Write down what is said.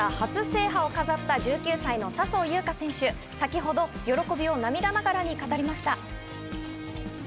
史上最年少でメジャー初制覇を飾った１９歳の笹生優花選手、先ほど喜びを涙ながらに語りました。